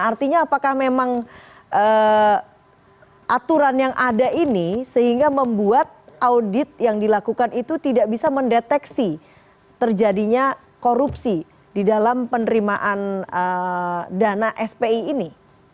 artinya apakah memang aturan yang ada ini sehingga membuat audit yang dilakukan itu tidak bisa mendeteksi terjadinya korupsi di dalam penerimaan dana spi ini